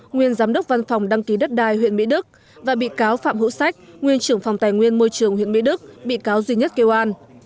nguyên giám đốc văn phòng đăng ký đất đai huyện mỹ đức và bị cáo phạm hữu sách nguyên trưởng phòng tài nguyên môi trường huyện mỹ đức bị cáo duy nhất kêu an